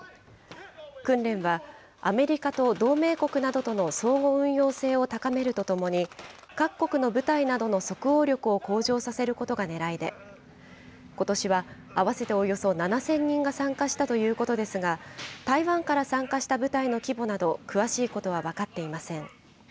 訓練は、アメリカと同盟国などとの相互運用性を高めるとともに、各国の部隊などの即応力を向上させることがねらいで、ことしは合わせておよそ７０００人が参加したということですが、台湾から参加した部隊の規模など、詳しいことは分かっていません。